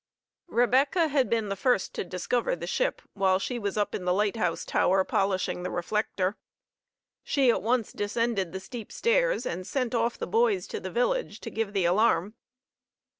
Rebecca had been the first to discover the ship, while she was up in the light house tower polishing the reflector. She at once descended the steep stairs and sent off the boys to the village to give the alarm.